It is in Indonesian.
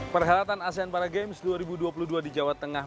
perhelatan asean para games dua ribu dua puluh dua di jawa tengah